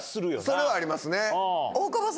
それはありますね。